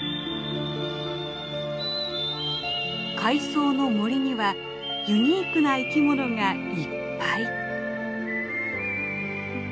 「海藻の森」にはユニークな生き物がいっぱい。